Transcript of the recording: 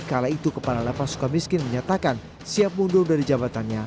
kala itu kepala lapas suka miskin menyatakan siap mundur dari jabatannya